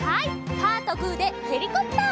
パーとグーでヘリコプター！